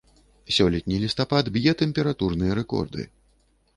Сёлетні лістапад б'е тэмпературныя рэкорды.